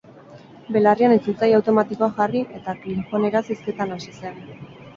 Belarrian itzultzaile automatikoa jarri eta klingoneraz hizketan hasi zen.